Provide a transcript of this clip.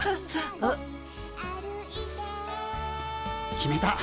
決めた。